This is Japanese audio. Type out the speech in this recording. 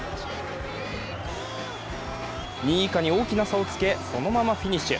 ２位以下に大きな差をつけそのままフィニッシュ。